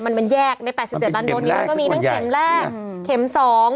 มันแยกใน๘๗ล้านโดสนี้มันก็มีแค่เข็มแรก